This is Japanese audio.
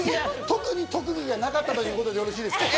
特に特技がなかったということでよろしいですか？